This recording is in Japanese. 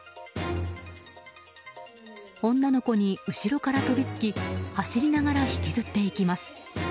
女の子に後ろから飛びつき走りながら引きずっていきます。